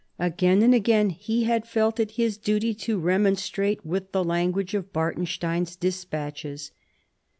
Again and again he had felt it his duty to remonstrate with the language of Bartenstein's despatches.